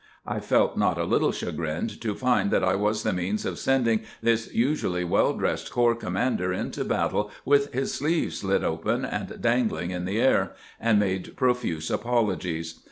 I felt not a little chagrined to find that I was the means of sending this usually well dressed corps commander into battle with his sleeve slit open and dangling in the air, and made profuse apologies.